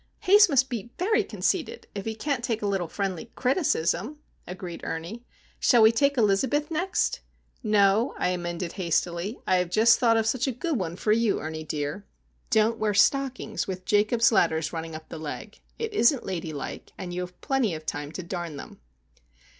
"Haze must be very conceited, if he can't stand a little friendly criticism," agreed Ernie. "Shall we take Elizabeth next?" "No," I amended hastily. "I have just thought of such a good one for you, Ernie dear. Don't wear stockings with Jacob's ladders running up the leg. It isn't ladylike, and you have plenty of time to darn them."